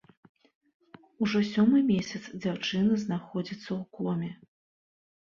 Ужо сёмы месяц дзяўчына знаходзіцца ў коме.